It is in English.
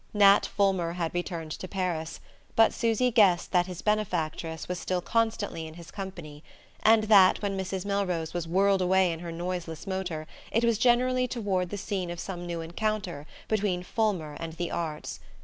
Nat Fulmer had returned to Paris; but Susy guessed that his benefactress was still constantly in his company, and that when Mrs. Melrose was whirled away in her noiseless motor it was generally toward the scene of some new encounter between Fulmer and the arts.